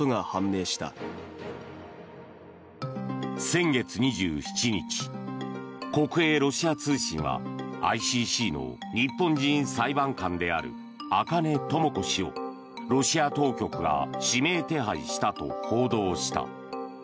先月２７日、国営ロシア通信はＩＣＣの日本人裁判官である赤根智子氏をロシア当局が指名手配したと報道した。